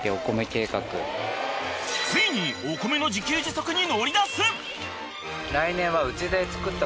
ついにお米の自給自足に乗り出す。